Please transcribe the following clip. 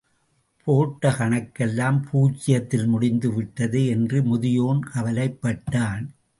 போட்ட கணக்கெல்லாம் பூஜ்ஜியத்தில் முடிந்து விட்டதே என்று முதியோன் கவலைப்பட்டான்.